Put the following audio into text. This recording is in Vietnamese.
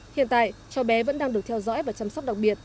hiện tại cháu bé vẫn đang được theo dõi và chăm sóc đặc biệt